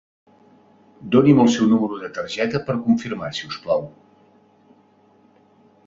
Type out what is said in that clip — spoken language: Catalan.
Doni'm el seu número de targeta per confirmar si us plau.